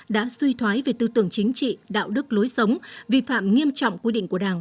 đã suy thoái về tư tưởng chính trị đạo đức lối sống vi phạm nghiêm trọng quy định của đảng